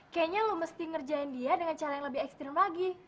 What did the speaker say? kayaknya lo mesti ngerjain dia dengan cara yang lebih ekstrim lagi